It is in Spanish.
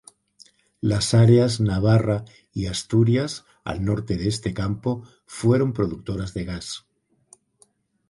Las áreas Navarra y Asturias, al norte de este campo, fueron productoras de gas.